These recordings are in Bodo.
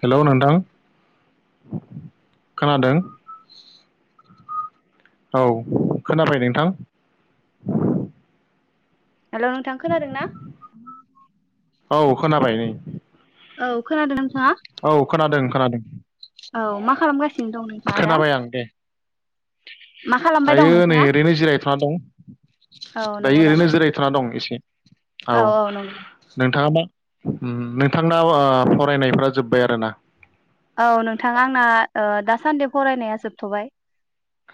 हेलौ नोंथां खोनादों? औ खोनाफैबाय नोंथां। हेल' नोंथां खोनादों ना? औ खोनाबाय नै औ खोनादों नोंथाङा औ खोनादों खोनादों। औ मा खालामगासिनो दं नोंथाङा दा खोनाबाय आं दे मा खालामबाय दं दायो नै नोंथाङा? ओरैनो जिरायथ'ना दं। औ नंगौ दायो ओरैनो नामा नोंथां? जिरायथ'ना दं एसे औ नोंथाङा मा उम नोंथांनाव ओ फरायनायफोरा जोब्बाय आरोना औ नोंथां आंना ओ दासान्दि फरायनाया जोबथ'बाय।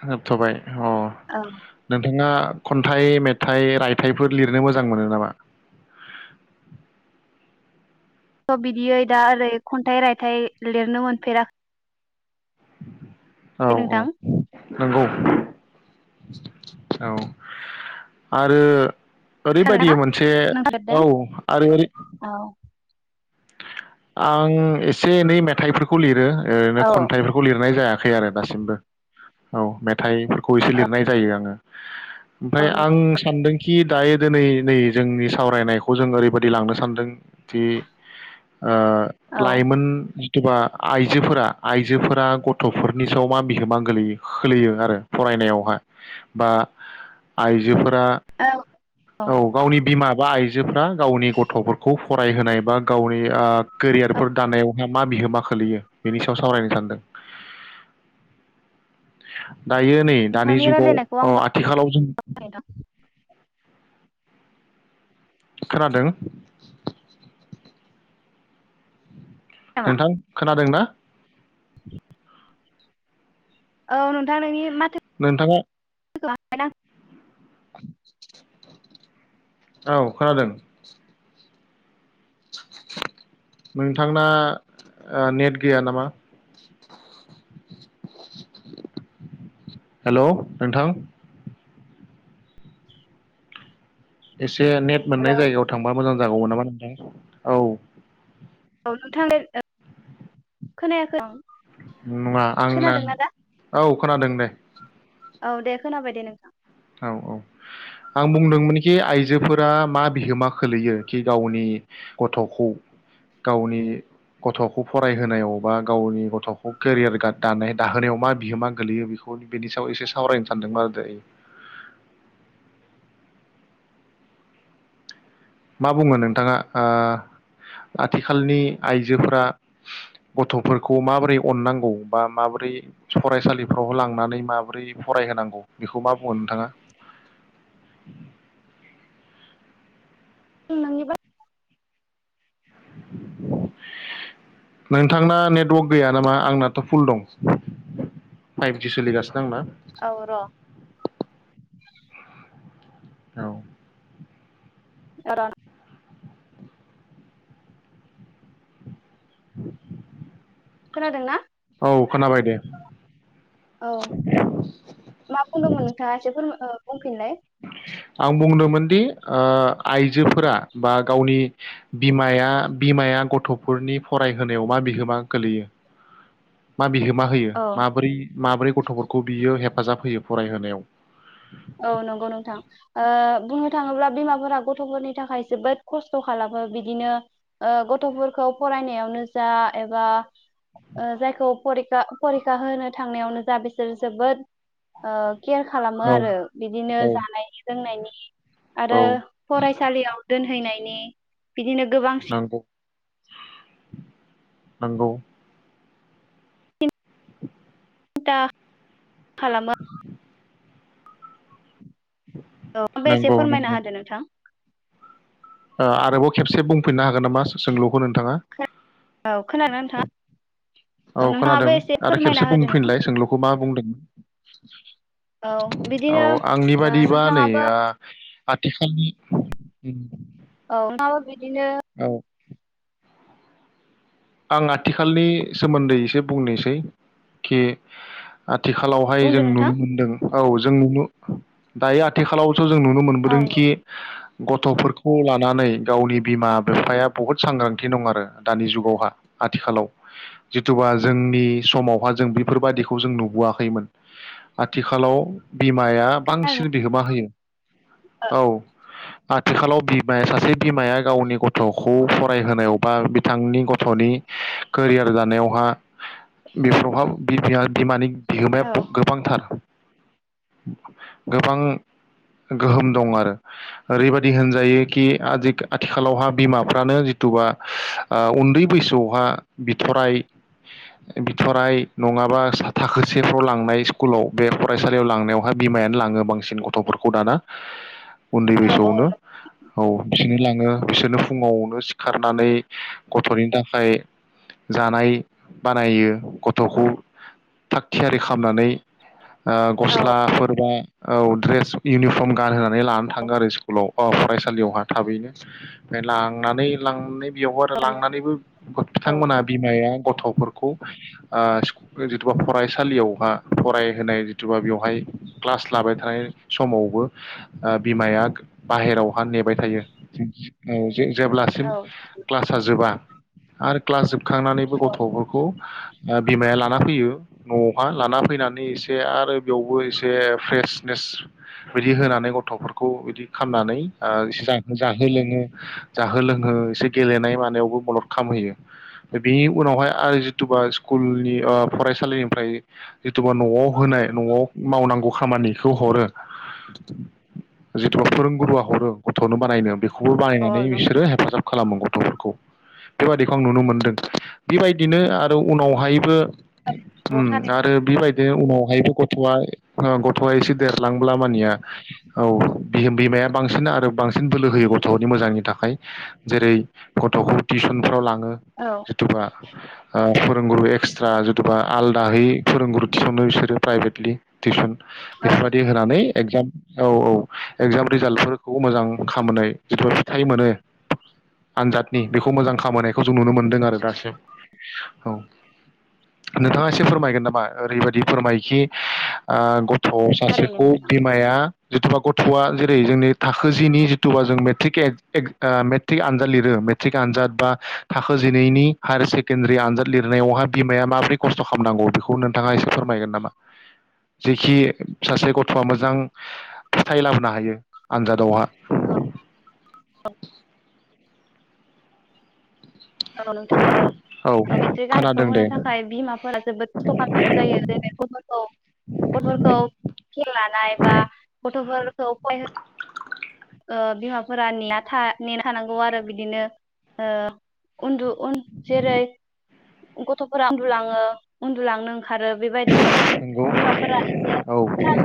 होबथ'बाय अ औ नोंथाङा खन्थाइ, मेथाइ, रायथाइफोर लिरनो मोजां मोनो नामा? थ' बिदियै दा ओरै खन्थाइ रायथाइ लिरनो मोनफेराख [inaudible] औ औ नोंथां। नंगौ। औ आरो ओरैबादि खोनादोंना मोनसे नोंथां लिरदों? औ आरो ओरै औ आंङो एसे एनै मेथाइफोरखौ लिरो ओ ओरैनो औ खन्थाइफोरखौ लिरनाय जाया। खै आरो दासिमबो औ मेथाइ खौ एसे लिरनाय जायो आङो। औ ओमफाय नंगौ आं सानदोंखि दायो दिनै नै जोंनि सावरायनायखौ जों ओरैबायदि लांनो सानदों दि ओ औ लाइमोन सोरबा आइजोफोरा आइजोफोरा गथ'फोरनि सायाव मा बिहोमा गोलैयो खोलैयो आरो फरायनायावहा बा आइजोफोर आ औ औ गावनि बिमा बा आइज जोफोरा गावनि गथ'फोरखौ फरायहोनाय बा गावन बे आह औ केरियारफोर दानायावहाय मा बिहोमा खोलैयो बेनि सायाव सावरायनो सानदों। दायो नै दानि नोंथांनि जुगाव रायलायनायखौ आं अ आथिखालाव जों बावबाय नोंथां खोनादों नामा? नोंथां खोनादोंना? औ नोंथां नोंनि माथ नोंथाङा [unintelligible] [inaudible] औ खोनादों नोंथांना ओ नेट गैया नामा हेलौ नोंथां एस से नेट मोननाय जायगायाव थांबा मोजां जागौमोन नामा नोंथां औ औ नोंथां दे खोनायाखै अ नङा आंना औ खोनादों दे औ दे खोनाबाय दे नोंथां औ औ आं बुंदोंमोनखि आइजो आइजोफोरा मा बिहोमा खोलैयो खि गावनि गथखौ गावनि गथखौ फरायहोनायाव बा गावनि गथ'खौ केरियार गा दानाय दाहोनायाव मा बिहोमा गोलैयो बेखौ बेनि सायाव एसे सावरायनो सानदोंमोन आरो दायो मा बुङो नोंथाङा ओ आथिखालनि आइजोफोरा गथ'फोरखौ माबोरै अननांगौ बा माबोरै फरायसालिफ्राव लांनानै माबोरै फरायहोनांगौ बेखौ मा बुङो नोंथाङा नोंनिबा नोंथांना नेट वर्क गैया नामा आंनाथ फुल दं फाइफ जि सोलिगासिनो [unintelligible] औ र' औ [unintelligible] [inaudible] खोनादों ना? औ खोनाबाय दे। औ मा बुंदोंमोन नोंथाङा एसे फोरम ओ बुं आं बुंदोंमोनदि ओ आइजोफोरा बा गावनि बिमाया बिमाया गथ'फोरनि फरायहोनायाव मा बिहोमा गोलैयो? मा बिहो मा होयो औ माबोरै माबोरै गथ'फोरखौ बियो हेफाजाब होयो फरायहोनायाव। औ नंगौ नोंथां। ओ बुंनो थाङोब्ला बिमाफोरा गथ'फोरनि थाखाय जोबोद खस्थ खालामो बिदिनो ओ गथफोरखौ फरायनायावनो जा एबा ओ जायखौ फरि खा फरिखा होनो थांनायावनो जा बिसोर जोबोद ओ केयार खालामो औ आरो। बिदिनो औ जानायनि लोंनायनि औ आरो फरायसालियाव दोनहैनायनि बिदिनो गोबांसि नंगौ नंगौ। [inaudible] सिन्था खालामो। औ आमफाय एसे नंगौ फोरमायना नंगौ होदो नोंथां। ओ आरोबाव खेबसे बुंफिननो हागोन नामा सो सोंलुखौ नोंथाङा। औ खोनादोंना नोंथाङा? औ नोंथाङाबो खोनादों एसे आरो फोरमायना खेबसे होदो नोंथां बुंफिनलाय सोंलुखौ मा बुंदों औ बिदिनो औ आंनि ओ बादिबा नै नोंथाङाबो आ आथिखालनि औ [unintelligible] बिदिनो औ आं आथिखालनि सोमोन्दै एसे बुंनोसै कि आथिखालावहाय बुंदो जों नोंथां नुनो मोनदों औ जों नुनो दायो आथिखालाव सजों नुनो औ औ मोनबोदोंखि गथ'फोरखौ लानानै गावनि बिमा बिफाया बहुद सांग्रांथि दं आरो दानि जुगावहा। आथिखालाव जिथुबा जोंनि समावहा जों बेफोरबायदिखौ जों नुबोआखैमोन आथिखालाव बिमाया बांसिन बिहोमा होयो। औ आथिखालाव बिमाया सासे बिमाया गावनि गथ'खौ फरायहोनायाव बा बिथांनि गथ गथ'नि कोरियार दानायावहा बेफोरावहा बिमाया बिमानि बिहोमाया औ गोबांथार गोबां गोहोम दं आरो ओरैबायदि होनजायो खि आजि आथिखालावहा बिमाफ्रानो जिथुबा ओ उन्दै बैसोआवहा बिथराय बिथराय नङाबा थाखोसेफ्राव लांनाय स्कुलाव बे फरायसालियाव लांनायावहा बिमायानो लाङो बांसिन गथ'फोरखौ दाना उन्दै औ बैसोआवनो औ बिसोरनो ला ङो बिसोरनो फुङावनो सिखारनानै गथ'नि थाखाय जानाय बानायो गथखौ थाग थियारि खालामनानै ओ औ गस्लाफोर बा औ ड्रेस इउनिफर्म गानहोना नै लानानै थाङो आरो स्कुलाव। अ फरायसालियावहा थाबैनो ओमफ्राय लांनानै लांनाय बेयावबो आरो लांनानैबो औ मोगथांमोना बिमा बेहाय गथफोरखौ ओ जिथुबा फरायसालियावहा फरायहोनाय जिथुबा बेवहाय क्लास लाबाय थानाय समावबो बिमाया बाहेरावहा नेबाय थायो ओ जे जेब्लासिम औ क्लासा जोबा आरो क्लास जोब खांनानैबो गथफोरखौ बिमाया लाना फैयो। न'आवहा लाना फैनानै एसे आरो बेयावबो एसे फ्रेसनेस बिदि होनानै गथ'फोरखौ बिदि खालामनानै ओ जा-जाहो लोङो जाहो लोंहो एसे गेलेनाय मानायावबो मदद खालामहोयो बेनि उनावहाय आरो जिथुबा स्कुलनि ओ फरायसालिनिफ्राय जिथुबा न'आव होनाय न'आव मावनांगौ खामानिखौ हरो जिथुबा फोरोंगुरुआ हरो गथनो बानायनो बेखौ बो बानायनानै औ नंगौ बिसोरो हेफाजाब खालामो गथ'फोरखौ। बेबादिखौ आं नुनो मोनदों बेबायदिनो आरो उनावहायबो उम थारैनो आरो बिबायदि बे उनावहायबो गथ'आ ओ गथ'आ एसे देरलांब्ला ओमबानिया औ बियो बिमाया बांसिन आरो बांसिन बोलो होयो गथ'फोनि मोजांनि थाखाय जेरै गथ, खौ टिउसन फ्राव लां औ [unintelligible] फोरोंगुरु एक्सट्रा जिथुबा आलदाहै फोरोंगुरु थिसननो बिसोरो प्राइभेटलि टिउसन औ नंगौ बेफोरबायदि होनानै एक्जाम औ औ एक्जाम रिजाल्टफोरखौ मोजां खामनाय जिथु फिथाय मोनो आनजादनि बेखौ मोजां खामोनायखौ जों नुनो मोनदों आरो दासिम औ नोंथाङा एसे फोरमायगोन नामा ओरैबायदि फोरमायखि ओ ग थ' थारैनो सासेखौ नोंथां बिमाया। जिथुबा गथआ जेरै जोंनि थाखो जिनि जिथुबा जों मेट्रिक एक-एक ओ मेट्रिक आनजाद लिरो मेट्रिक आनजाद बा थाखो जिनैनि हायार सेकेण्डारि आनजाद लिरनायावहा बिमाया माबोरै खस्थ' खालामनांगौ बेखौ नोंथाङा एसे फोरमायगोन नामा? जेखि सासे गथ'आ मोजां फिथाय लाबोनो हायो आनजादावहा औ [inaudible] औ नोंथां ओ औ ओ मेट्रिक आनजादखौ खोनादों होनो दे थाखाय बिमाफोरा जोबोद खस्थ खालामनांगौ जायो जेरै गथ'फोरखौे गथ'फोरखौ थाल लानाय बा गथ'फोरखौ फरायहो ओ बिमाफोरा नेना था नेना थानांगौ आरो बिदिनो ओ उन्दु उन जेरै गथ'फोरा उन्दुलाङो उन्दुलांनो खारो बेबायदिनो गथ नंगौ बिमाफोरा एसे औ थाल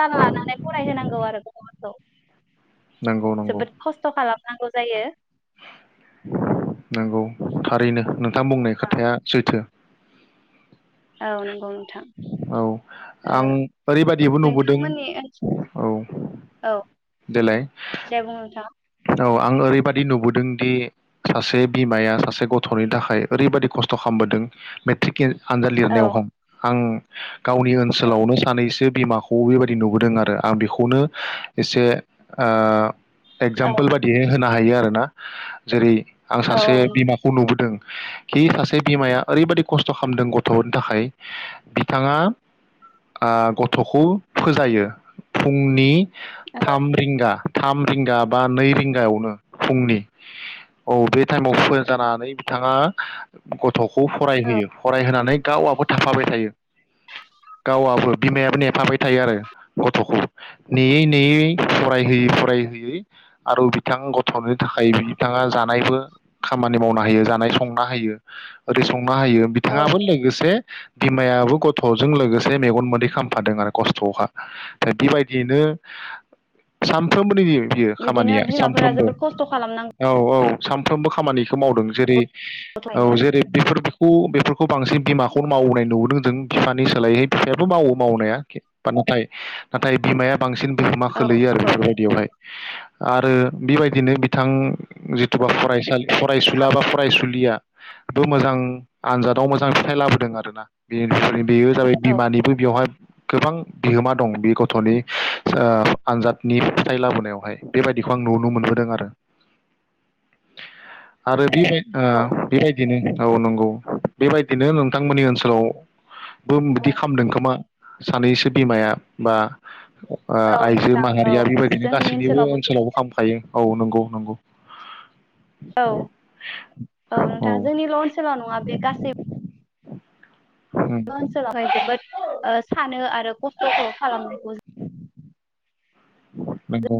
थाल लानानै फरायहोनांगौ आरो गथफोरखौ नंगौ नंगौ जोबोद खस्थ खालाम नांगौ जायो नंगौ थारैनो नों थां बुंनाय औ खोथाया सैथो औ नंगौ नों औ आं ओरैबाददिबो नुबोदों नोंथांमोननि औ ओनसोल औ देलाय दे बुं नोंथां औ आं ओरैबायाददि नुबोदों दि सासे बिमाया सासे गथनि थाखाय ओरैबायादि खस्थ खालामबोदों मेट्रिकेल आन्जाद औ लिरनायाव हम आं गावनि औ ओनसोलावनो सानैसो बिमाखौ बेबायदि नुबोदों आरो आं बेखौनो एसे ओ औ एगजामपोल बायदियै होनो हायो आ रोना जेरै आं औ सासे नोंथां बिमाखौ नुबोदों खि सासे बिमाया ओरैबायदि कस्थ'खालामदों गथ'नि थाखाय बिथाङा आ गथखौ फोजायो फुंनि औ थाम रिंगा थाम रिंगा बा नै रिंगायावनो फुंनि औ बे टाइमाव फो जानानै बिथाङा गथ गथखौ फरायहोयो फरायहोनानै गावआबो बेथायो गावआबो बिमायाबो नेफाबाय थायो आरो गथखौ नेयै नेयै फरायहोयै फरायहोयै आरो बिथां गथ थनि थाखाय नोंथां बिथांआ जानायबो खामानि मावना होयो जानाय संना होयो ओरै सं नो हायो औ बिथाङाबो लोगोसे बिमायाबो गथजों लोगोसे मेगन मोदै खामफादों आरो खस्थखा दा बेबायदियैनो सानफ्रोमबोनि बियो बिदिनो खामानिया बिमाफोरा सानफ्रोमबो जोबोद खस्थ' खालामनांगौ औ औ सानफ्रोमबो खामानिखौ मावदों जेरै थारैनो औ जेरै बेफोरबो खौ बेफोरखौ बांसिन बिमाखौ खौ मावनाय नुबोदों जों फिफानि सोलायैहाय फिफायाबो मावो मावनाया नाथाय नाथाय बिमाया बांसिन बिहोमा औ खोलैयो आरो नंगौ बेफोरबायदियाव हाय आरो बेबायदिनो बिथां जिथुुबा फरायसालि फरायसुला बा फरायसुलि दिया बो मोजां आनजादाव मोजां फिथाइ लाबो दों आरो ना बे बेयो जाबाय औ बिमानिबो बेवहाय गोबां बिहोमा दं बे गथ'नि ओ आनजादनि फिथाइ लाबोनायावहाय बेबायदिखौ आं नुनो मोनबोदों आरो आरो औ ओ बिबायदिनो औ नंगौ बेबायदिनो नोंथांमोननि ओनसोलाव बो बिदि खालामदों खोमा सानैसो बिमाया बा औ ओह आइजो नोंथां औ माहारिया बेबायदिनो जोंनि गासैनिबो बिदि ओनसोलावबो खामखायो। औ नंगौ नंगौ औ औ नोंथां जोंनिल ओनसोलाव नङा बे गासै उम ओनसोलावहाय जोबोद सानो आरो खस्थखौ खालामनो। [inaudible] [inaudible] नंगौ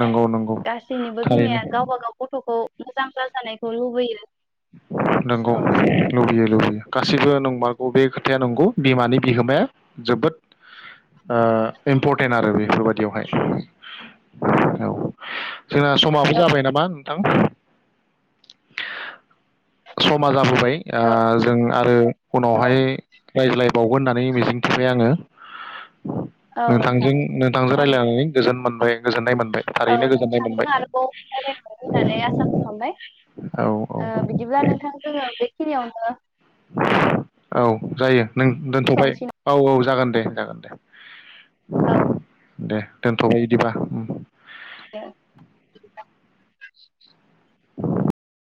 नंगौ नंगौ गासैनिबो थारैनो। बिमाया गावबा गाव गथ'खौ मोजां जाजानायखौ लुबैयो। नंगौ औ लुबैयो लुबैयो लुबैयो। गासैबो नंमारगौ बे खोथाया नंगौ बिमानि बिहोमाया जोबोद ओ इम्परटेन्ट आरो बेफोरबादियावहाय। औ जोंना समाबो जाबाय नामा नोंथां [inaudible] समा जाबोबाय औ आह जों आरो औ उनावहाय रायज्लायबावगोन होननानै मिजिंथिबाय आङो। औ नोंथां नोंथांजों नोंथांजों थारैनो रायलायनानै गोजोन मोनबाय। गोजोननाय मोनबाय। औ थारैनो गोजोननाय नोंथांजों मोनबाय। आरोबाव रायलायबावनो होननानै आसा खालामबाय औ औ थां जोङो बेखिनियावनो हो औ जायो। नों दोन्थ'बाय दोनथ'नोसै औ औ जागोन दे जागोन दे। औ दे दोनथ'बाय इदिबा ओम। दे [inaudible]